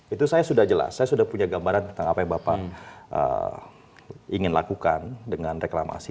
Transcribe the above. itu saya sudah jelas saya sudah punya gambaran tentang apa yang bapak ingin lakukan dengan reklamasi